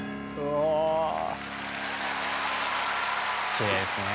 きれいですね。